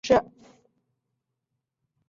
丰塔内斯人口变化图示